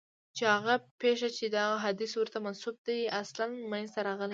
چي هغه پېښه چي دغه حدیث ورته منسوب دی اصلاً منځته راغلې نه ده.